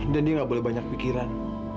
dan dia nggak boleh banyak pikiran